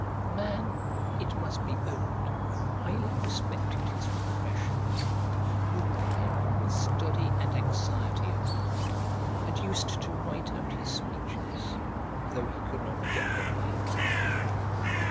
The man, it must be owned, highly respected his profession, grew pale with study and anxiety over it, and used to write out his speeches though he could not get them by heart.